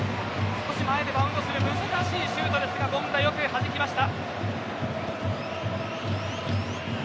少し前でバウンドする難しいシュートですが権田よくはじきました。